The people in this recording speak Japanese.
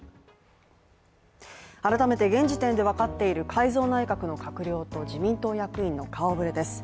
改めて現時点で分かっている改造内閣の閣僚と自民党役員の顔ぶれです。